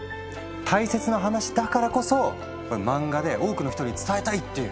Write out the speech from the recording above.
大切な話だからこそ漫画で多くの人に伝えたいっていう。